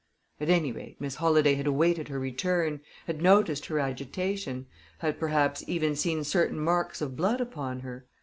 At any rate, Miss Holladay had awaited her return, had noticed her agitation; had, perhaps, even seen certain marks of blood upon her.